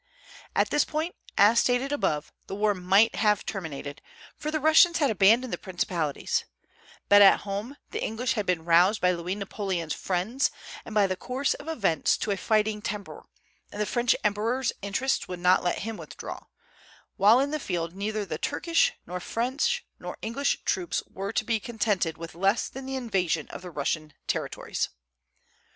At this point, as stated above, the war might have terminated, for the Russians had abandoned the principalities; but at home the English had been roused by Louis Napoleon's friends and by the course of events to a fighting temper, and the French emperor's interests would not let him withdraw; while in the field neither the Turkish nor French nor English troops were to be contented with less than the invasion of the Russian territories.